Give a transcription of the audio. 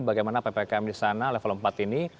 bagaimana ppkm di sana level empat ini